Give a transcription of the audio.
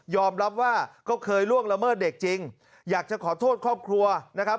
รับว่าก็เคยล่วงละเมิดเด็กจริงอยากจะขอโทษครอบครัวนะครับ